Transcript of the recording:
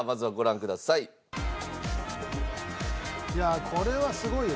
「いやこれはすごいよ。